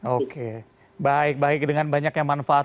oke baik baik dengan banyaknya manfaat